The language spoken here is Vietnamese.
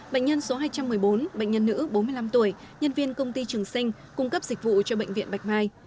bệnh nhân số hai trăm một mươi bốn bệnh nhân nữ bốn mươi năm tuổi nhân viên công ty trường sinh cung cấp dịch vụ cho bệnh viện bạch mai